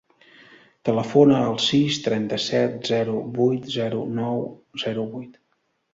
Telefona al sis, trenta-set, zero, vuit, zero, nou, zero, vuit.